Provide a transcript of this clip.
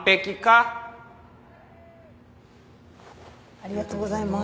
ありがとうございます。